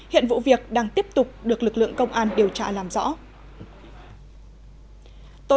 hiện vụ việc đang tiếp tục được lực lượng công an điều trả làm rõ